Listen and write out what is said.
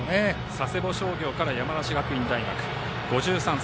佐世保商業から山梨学院大学、５３歳。